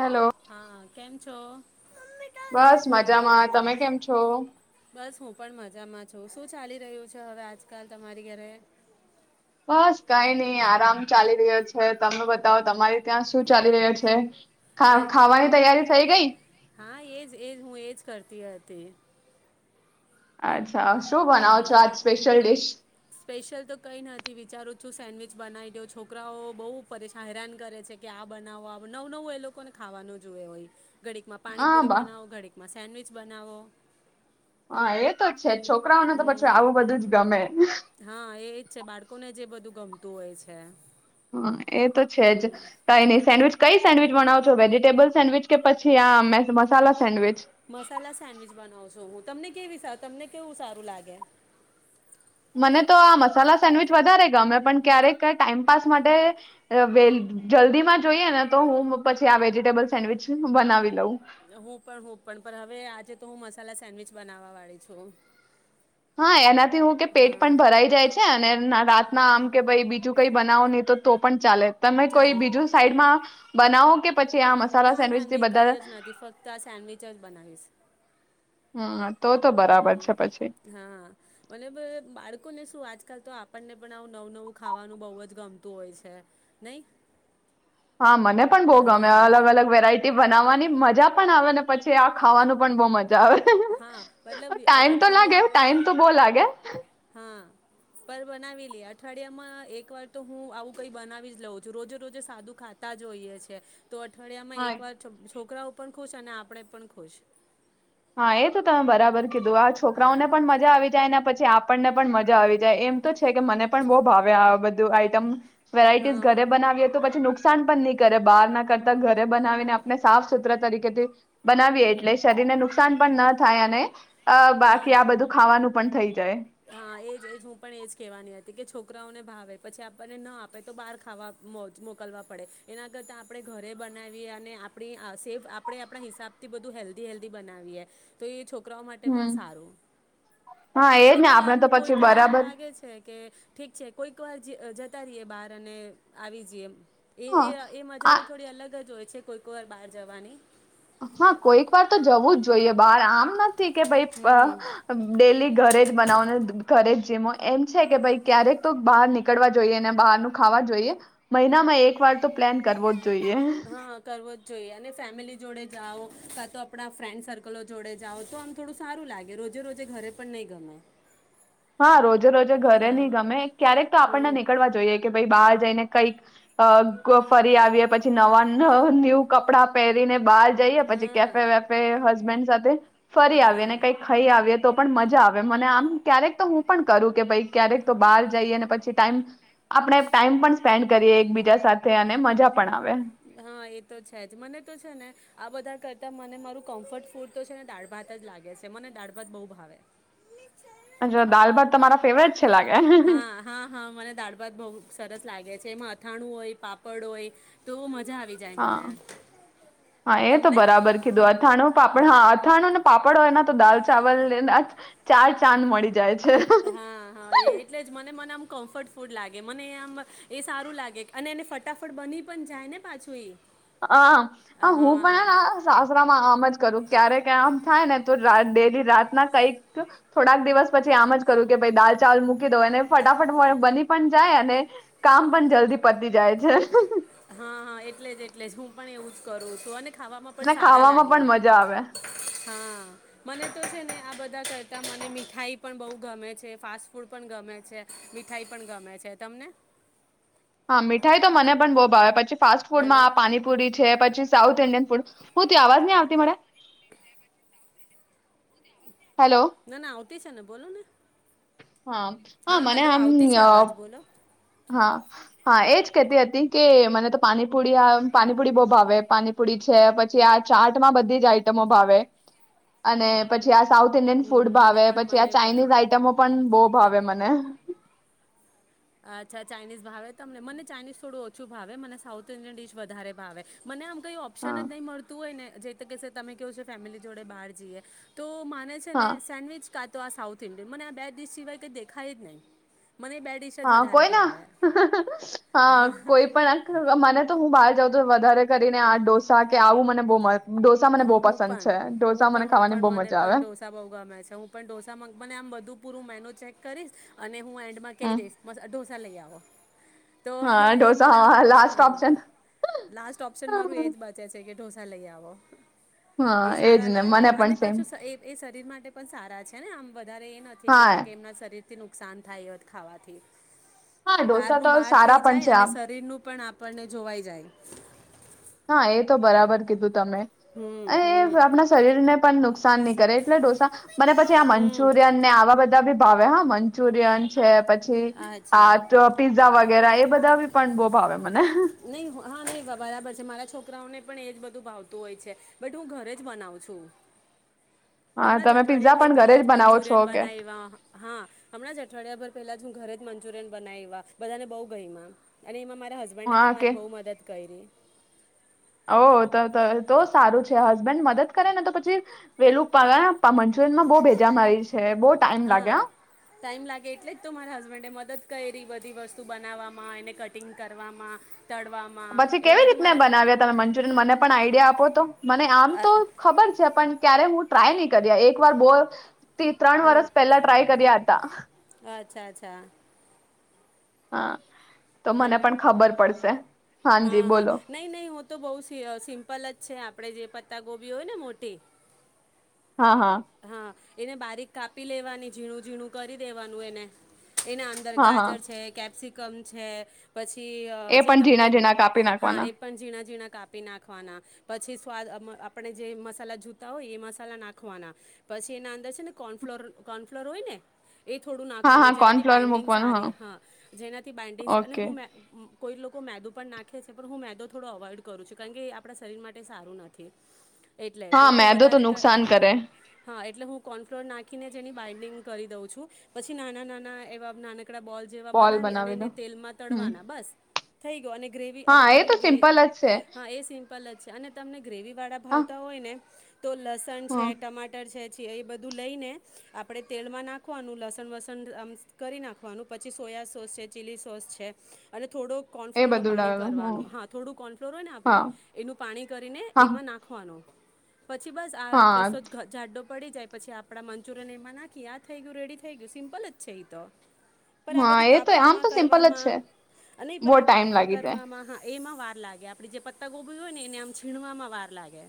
Hello હા હા કેમ છો? બસ મજામાં તમે કેમ છો? બસ હું પણ મજામાં છું શું ચાલી રહ્યું છે, હવે આજકાલ તમારી ઘરે. બસ કઈ નહી આરામ ચાલી રહ્યો છે, તમે બતાવો તમારી ત્યાં શું ચાલી રહ્યો છે. ખા મારી ત્યાં ખાવાની તૈયારી થઈ ગઈ? એજ હું એજ કરતી હતી. અચ આ શું બનાવો છો આજ હા સ્પેશિયલ ડીશ? સ્પેશિયલ તો કંઈ નથી વિચારું છું સેન્ડવીચ બનાવી દો છોકરાઓ બહુ હેરાન કરે છે કે આ બનાવો નવ નવું એ લોકોને ખાવાનું જુએ હોય. ઘડીક માં હા પાણીપુરી બા બનાવો ઘડીકમાં સેન્ડવિચ બનાવો. હા એ તો જ છે છોકરાઓને તો પછું હમ આવું બધું જ ગમે. તોવે છે. હ એ તો છે જ હમ કઈ ન સેન્ડવીચ કઈ સેન્ડવીિચ બવો છો વેજીિટેબલ સેન્ડવીચ કે પછી આ મસાલા સેન્ડવીચ. મસાલા સેન્ડવીચ બનાવશો હું તમને કેવી તમને કેવું સારું લાગે? મને તો આ મસાલા સેન્ડવીચ વધારે ગમે પણ ક્યારેક ટાઈમપાસ માટે વ જલ્દીમાં જોઈએ ને તો હું પછી આ વેજીિટેબલ સેન્ડવીચ બનાવી લઉં. હું પણ હું પણ પણ હવે આજે તો હું મસાલા સેન્ડવીચ બનાવવા વાળી છું. હા એનાથી હું કે પેટ હા પણ ભરાઈ જાય છે અને રા ના આમ કે ભાઈ બીજું કઈ બનાવો નહી તો પણ ચાલે. તમે કોઈ ચાલે બીજું સાઈડમાં બનાઓ કે પછી આ મસાલા ના ના સેન્ડવીચથી નહી કઈ બધા જ નથી ફક્ત આ સેન્ડવચ જ બનાવીશ. હમ્મ. હમ્મ હા મને પા બાળકો ને તો આજકાલ તો આપણને પણ આવું નવું નવું ખાવાનું બહ જ ગમતું હોય છે નહી. હા મને પણ બહ ગમે અલગ અલગ વેરાઈટી બનાવવાની ની મજા પણ આવે ને પછી આ ખાવાનું પણ બહુ મજા હા મતલબ અ- ટાઈમ તો લાગે અઠવાડિયા ટાઈમ તો બો લાગે. હા પર બનાવી લેએ અઠવાડિયા માં એક વાર તો હું આવું કઈ બનાવી જ લઉં છું રોજે રોજે સાદું ખાતા જ હોઈએ છે. તો અઠવાડિયામાં હા એક વાર છો છોક છોકરાઓ પણ ખુશ અને આપણે પણ ખુશ. [unintelligible] તો તમે બરાબર કીધું આ હા છોકરાઓને પણ મજા આવી જાય એના પછી આપણને પણ મજા આવી જાય એમ તો છે કે મને પણ બહુ ભાવે આ બધ આઈટમ. વેરાયટીસ હા ઘરે બનાવીએ તો પછી નુસ નુકસાન પણ નહી કરે બહાર ના કરતા ઘરે બનાવીને આપણે સાફ સુથરા તરીકેથી બનાવીએ એટલે શરીરને નુસ નુકસાન પણ ન થાય અને અ હા બાકી આ બધું ખાવાનું પણ થઈ જાય. હા એજ એજ હું પણ એજ કેવાની હ કે છોકરાઓને ભાવે પછી આપણને ન આપે તો બહાર ખાવા મો મોકલવા પડે એના કરતા આપણે ઘરે બનાવીએ. અને આપણી સેફ આપણે આપણા હિસાબથી બધું હેલ્ધી હેલ્ધી બનાવીએ તો એ છોક છોકરાઓ માટે પણ હમ સારું. હા એજ અને ને પણ આપણે આમ તો પછી કોઈક વાર આમ બરાબર લાગે છે કે ઠીક છે કોઈક વાર જીદ જ ઉતારીએ બહાર અને આવી જઈએ. એ હા એ એ આ મજા તો થોડી અલગ જ હોય છે. કોઈ કોઈ વાર બહાર જવાની હા કોઈક વાર તો જવું જ જોઈએ બહાર આમ નથ થીકે ભાઈ બ અ હમ. ડેલી ઘરે જ બનાવો ને દ ઘરે જેમો એમ છે કે ભઈ ક્યારેક તો બહાર નીકળવા જોઈએ ને બહાર નુ ખાવા જોઈએ મહિનામાં એક વાર તો પ્લાન કરવો જોઈએ. હા કરવો જ જોઈએ, અને ફેમિલી જોડે જાઓ, કાં તો આપણા ફ્રેન્ડ સર્કલો જોડે જાઓ, તો આમ થોડું સારું લાગે, રોજે રોજે ઘરે પણ નહીં ગમ હા રોજે રોજે ઘરે નહી ગમે, ક્યારેક તો આપણને હમ. નીકળવા જોઈએ, કે ભાઈ બાર જઈને કઈક ક ફરી આવીએ, પછી નવા ન ન્યુ કપડા પહેરીને બાદ જઈએ પછી કેફે હા વેફે, હસબન્ડ સાથે ફરી હા આવીએ ને કઈ ખાઈ આવીએ તો પણ મજા આવે મને આમ ક્યારેક તો હું પણ કરું કે ભઈ, ક્યારેક તો બાર જઈએ અને પછી ટાઈમ આપણે ટાઈમ પણ સ્પેન્ડ કરીએ એકબીજા સાથે અને મજા પણ આવે હા એ તો છે જ, મને તો છે ને, આ બધા કરતાં મને મારું કમ્ફર્ટ ફૂડ તો છે ને, દાળ ભાત જ લાગે છે, મને દાળ ભાત બહુ ભાવે અચ્છા દાલ ભાત તમારા ફેવરેટ છ હા, હા, હા, મને દાળ ભાત બહુ સરસ લાગે છે તેમાં અથાણું હોય, પાપડ હોય તો મ હા, હા, એ તો તમને બરાબર કીધું, અથાણું, પાપડ, હા, અથાણું ને પાપડ એના તો દાલ ચાવલ નેનાથ ચાર ચાંદ મળી જાય છે હા, હા, એ એટલે જ મને મન આમ કમ્ફર્ટફૂડ લાગે મને એ આમ એ સારું લાગે અને એને ફટાફટ બની પણ જાય ને પાછું એ આહ, આ હા હું હા પણ આ સાસરામાં આમ જ કરું. ક્યારેક આમ થાય ને તો રા ડેઈલી રાત ના કાંઈક થોડાક દિવસ પછી આમ જ કરું કે ભઈ દાલ ચાવલ મૂકી દઉ, અને ફટાફટ [unintelligible] બની પણ જાય, અને કામ પણ જલ્દી પતી જાય છે. હા, હા એટલે જ એટલે જ, હું પણ એવું જ કરું છું. અને ખાવામા પણ સારા ખાવામાં લાગે પણ એ. મજા આવે હા, મને તો છે ને આ બધ બધા કરતાં મને મીઠાઈ પણ બહુ ગમે છે ફાસ્ટ ફૂડ પણ ગમે છે, મીઠાઈ પણ ગમે છે તમને? હા મીઠાઈ તો મને પણ બહુ ભાવે પછી ફાસ્ટ હલો ફૂડમાં પાણીપુરી છે પછી સાઉથ ઇન્ડિયન ફૂડ, હું ત્યા અવાજ નહી આવતી મળે? હલો. તે છે બોલો ને. હા હા મને હાલો આમ આવતી છે અવાજ બોલો. હા હા એજ કેહેતી હતી કે મને તો પાણીપુરી પાનીપુડી બહુ ભાવે પાનીપુરી છે પછી આ ચાટમાં બધી જ આઈટમો ભાવે, અને પછી આ સાઉથ ઇન્ડિયન ફૂડ હમ મને ભાવે પણ પછી આ મને પણ ચાઇનીઝ આઈટમો બહુ ભાવે મને. અચ્છા ચાઇનીઝ ભાવે તમને મને ચાઇનીઝ થોડું ઓછું ભાવે મને સાઉથ ઇન્ડિયન ડિશ વધારે ભાવે, મને આમ કઈ ઓપ્શન હા જ નહીં મળતું હોય ને જે ત કે તમે કેવો છો ફેમિલી જોડે બહાર જઈએ, તો છે ને હા સેન્ડવચા તો આ સાઉથ ઇન્ડિયન મને આ બે ડિશ સિવાય કઈ દેખાય જ નહીં, મને બે ડિશ જ હા વધારે કોઈ ના, ભાવે હા કોઈ પણ મને તો હું બહાર તો વધારે કરીને આ ડોસા કે આવું મને બહુ મસ. હ હું પણ, હું પણ હું ખાવાની પણ બહુ મને મજા પણ આવે ઢોસા બઉ ગમે છે હું પણોસા મને આમ બધું પૂરું ચેક કરી, અને હું એન્ડ માં કહી હમ દઈશ ડોસા લઈ આવ. હા. [inaudible] તો હા એ ઢોસા મને હા લાસ્ટ હા, ઓપ્શન લાસ્ટ ઓપ્શન મારું એજ બચે છે કે ડોસા લઈ આવવો. હા એ એજ સારા ને લાગે મને પણ અને સેમ પછું એ એ શરીર માટે પણ સારા છે. કમ. [unintelligible] વધારે એ નથી કે હા કે એમના શરીર થી નુકસાન થાય હોત ખાવાથી. હા ઢોસા બારનું તો બહાર સારા થઈ પણ જાય છે અને આમ શરીર નું પણ આપણને જોવાય. જાય. હા એ તો બરાબર કીધું તમે, હમ હમ આપણા શરીર ને પણ નુકાન ન કરે એટલે ડોસા, મને પછી આ હમ મંચુરિયન ને આવા બધા ભાવે હા મંચુરિયન છે પછી છે, અચ્છા આ ટ પીઝા વગેરા એ બધા બી પણ બહું ભાવે મને. કરાઓને પણ એજ બધું ભાવતું હોય છે, બટ હું ઘરે જ બનાવું છું. હા હમણાં જ તમે પીઝા અઠવાડિયા ભર પણ ઘરે પેલા જ બનાવો મંચુરિયન છો કે બનાયવા, હા, હમણાં જ અઠવાડિયા પર પેલા જ ઘરે જ મંચુરિયન બનાયવા, બધાને બહું ગઈમા. અને એમાં માર રા હસબન્ડે હા પણ મારી બહુ મદદ કયરી. ઓહ, તો-તો સારું છે. હસબન્ડ મદદ કરે ને તો પછી વહેલું [unintelligible] મંચુરિયનમાં બહુ ભેજામારી છે, બહુ ટાઈમ લાગે, હા. ટાઈમ લાગે ધી વસ્તુ બનાવવામાં એને કટિંગ કરવામાં. તળવામાં પછી એમાં કેવી બધું રીતને મારા બનાયવા તમે મંચુરિયન મને પણ આઈડિયા આપો તો, મને આમ અ તો ખબર છે પણ ક્યારે હું ટ્રાય નહીં કર્યા. એક વાર બોલ થી ત્રણ હમ વરસ પહેલા ટ્રાય કર્યા હતા. છા, અચ્છા. હા. તો મને હલો, પણ ખબર પડશે હાજી હા, હા, બોલો નહીં, નહીં, હું તો બહુ સિ સિમ્પલ જ છે આપડે જે પણ પતા ગોભી હોય ને મોટી હા, હા. હા એને બારીક કાપી લેવાની, ઝીણું-ઝીણું કરી દેવાનું એને. એના અંદર હા હા ગાજર છે, કેપ્સિ કમ છે. પછી અહ એ જે પણ તમને, ઝીણા ઝીણા કાપી હા નાખવાના એ પણ ઝીણા-ઝીણા કાપી નાખવાના, પછી સ્વાદ [unintelligible] આપણે જે મસાલા જોતા હોય એ મસાલા નાખવાના. પછી એના અંદર છે ને કોર્નફ્લોર, કોર્નફ્લોર હોય ને? એ થોડું હા હા નાખવાનું, જેનાથી કોર્નફ્લોર બાઇન્ડિંગ મૂકવાનું સારી, હા જેનાથી બાઇન્ડિંગ અને ઓકે હું મે કોઈ લોકો મેદુ પણ નાખે છે પણ હું મેદો થોડો અવોઇડ કરું છું, કારણ કે એ આપણા શરીર માટે સારું નથી. એટલે તો હા, હું મેદો તો વધારે ક નુકસાન કરે. હા, એટલે હું કોર્ન ફ્લોર નાખીને જ એની બાઈન્ડિંગ કરી દઉં છું, પછી નાના-નાના એવા નાન કડા બોલ જેવા બનાવી અને એને તેલમાં હમ તળવાના, બસ. થઈ ગયો, અને ગ્રેવી હા અગર એ તો તમને ગ્રે, સિમ્પલ જ છે હા એ સિમ્પલ જ છે, અને તમને ગ્રેવી વાળા હા ભાવતા હોય ને તો લસણ છે હા [unintelligible] એ બધું લઈને, આપણે તેલ માં નાખવાનું, લસણ-વસણ આમ કરી નાખવાનું, પછી સોયા સોસ છે, ચીલી સોસ છે, અને થોડો કોર્ન એ ફ્લોરનો બધું પાણી ઉડાવેલું કરવાનું, હા થોડું કોર્ન ફ્લોર હોય ને આપણું, હા એનું પાણી કરીને હા એમાં નાખવાનું. પછી બસ આ હા રસો [unintelligible] પડી જાય પછી આપડા મંચુરિયન એમાં નાખી આ થઈ ગયું રેડી થઈ ગયું સિમ્પલ જ છે એ તો. પણ આ હા બધું એ તો આમ કાપવામાં તો સિમ્પલ જ કરવામાં છે નહી પણ બહુ આ ટાઈમ કાપવા લાગી જાય કરવામાં હા એમાં વાર લાગે આપડી જે પત્ત ગોબી હોય ને એને આમ છીણવામાં વાર લાગે.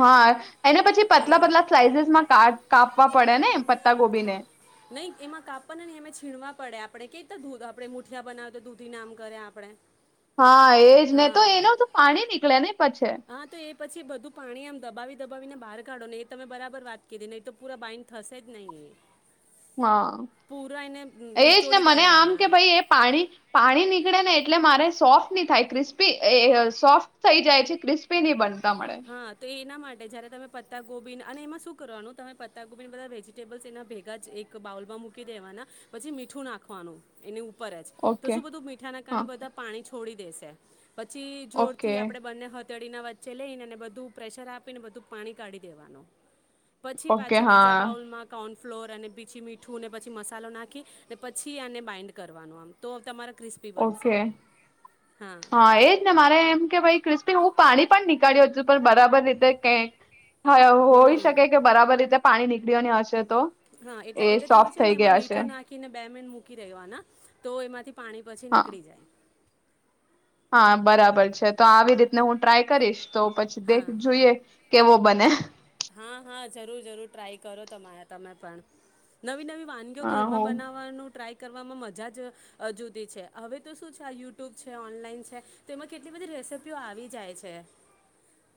હા. એના પછી પતલા પતલા સ્લાઇસીસ માં કા કાપવા પડે ને પત્તા ગોબીને નહી એમાં કાપડ એમે છીણવા પડે આ આપણે કઈ રીતે દૂધ આપડે મુઠિયા બનાવે તો દૂધી આમ કરે આપડે. હા એજ ને તો એનું તો પાણી નીકળે ને પછી. દબીને બાર કાઢો ને એ તમે બરાબર વાત કરી નહી તો પૂરા બાઈન્ડ થશે જ નહી. હા એજ ને નીચોડી મને આમ કાઢવાના કે ભાઈ એ પાણી પાણી નીકળે ને એટલે મારે સોફ્ટ નહી થાય ક્રિસ્પી એ સોફ્ટ થઈ જાય છે ક્રિસ્પી નહી બન હા તો એના માટ ને જ્યારે તમે પત્તા ગોબી અને એમાં શું કરવાનું તમે પત્તા ગોબીને બધા વેજીટેબલ્સ એના ભેગા જ એક બાઉલમાં મૂકી દેવાના પછી મીઠું નાખવાનું એની ઉ ઉપરજ તો ઓકે શું બધું મીઠા ના કારણે હા બધા પાણી છુ છોડી દેશે. પછી જોર ઓકે થી આપડે બંને હાથ અડીના વચ્ચે લાઇને ને બધું પ્રેશર આપીને બધું પાણી કાઢી દેવાનું. પછી ઓકે પાછું હા બીજા બાઉલમાં કો ફ્લોર અને બીછી મીઠું ને પછી મસાલો નાખી ને પછી એને બાઈન્ડ કરવાનું આમ તો તમાર ઓકે હા એજ ને મારે એમ કે ભાઈ ક્રિસ્પી હું પાણી પણ નીકળ્યું છું પણ બરાબર રીતે કઈ હ હોઈ હમ શકે કે બરાબર રીતે પાણી નીકળ બિયાની આશે હા એટલે એટલે તમે છે ને એમાં છે મીઠું નાખીને બે મિન મૂકી દેવાન તો એમાંથી પાણી પછી હા નીકળી જાય. હા બરાબર છે. તો આવી રીતને હું ટ્રાય કરીશ તો પછી દેખ હા જોઈએ કેવો બને. હા હા જરૂર જરૂર ટ્રાય કરો તમારે તમે પણ નવી નવી વાનગીઓ હા ઘરમાં હું બનાવાનું ટ્રાય કરવામાં મજા જ જુદી છે હવે તો શું છે યુટ્યુબ છે ઓનલાઈન છે તો એમાં કેટલી બધી રેસીપીઓ આવી જાય છે.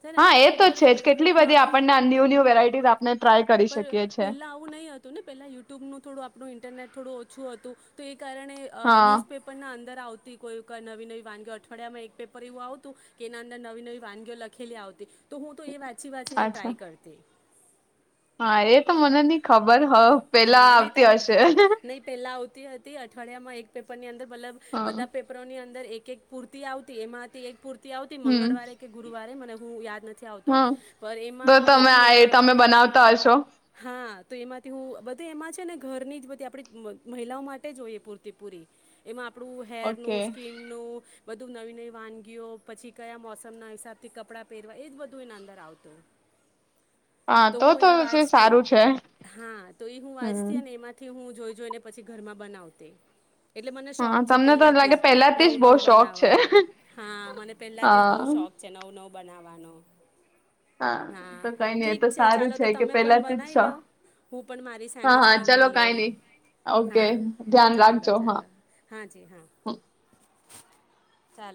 છે ને હા એ તો પર છે જ. કેટલી હા બધી આપણને ન્યૂ-ન્યુ વેરાયટીઝ આપ પર પેલા આવું નહીં હતું ને, પેલા યુટ્યુબ નું થોડું આપણું ઇન્ટરનેટ થોડું ઓછું હતું તો એક કારણે અહ હા ન્યુઝપેપરના અંદ ર આવતી, કોઈક નવી-નવી વાનગીઓ અઠવાડિયામાં એક પેપર એવું આવતું કે એના અંદર નવી-નવી વાનગીઓ લખેલી આવતી. તો હું તો એ વાંચી-વાંચીને અચ્છા ટ્રાય કરતી. હા. એ તો મને ની ખબર. હ પેલા હા, નહી આવતી તમ, હશે નહીં પેલા આવતી હતી અઠવાડિયા માં એક પેપરની અંદર મતલબ હા બધા પેપરોની અંદર એક કેક પૂર્તી આવતી એમાંથી એક પૂર રતી આવતી હમ મંગળવારે કે ગુરુવારે મને [unintelligible] યાદ નથ થી આવતું, હા પણ તો એમાં તમે બધું આ એમાં, તમે બનાવતા હશો હા. તો એમાંથી હું. બધું એમાં છે ને ઘરની જ બધી આપડી મહિલાઓ માટે જ જોઈએ પૂરતી પૂરી એમાં. આપડું હેર ઓકે નું સ્કીન નું. બધું નવી નવી વાનગીઓ પછી કયા મોસમના હિસાબથી કપડાં પહેરવા એ જ બધું એના અંદર આવતું હોય. હા તો તોછ સારું છે. હા તો એ હું હમ વાંચતી અને એમાંથી. હું જોઈજઈ ને પછી ઘરમાં બનાવતી. એટલે મને શોખ હા છે તમને તો પહેલાથી લાગે જ પેલાથી નવું જ બહુ નવું શોખ છે બનાવવાનું હા મને પેહેલાથી જ બહુ હા શોખ છે નવું નવ. બનાવવાનો. હા તો કઈ નઈ એ ઠીક તો ચાલો સારું છે તો કે તમે પણ પેલાથી જ બનાવી છો. લ્યો હું પણ મારી હા સેન્ડવીિચ હા ચલો બનાવી કઈ લવ નઈ ઓકે હા ધ્યાન ચાલો રાખજો હા ચાલો હ હા જ હા. ચાલો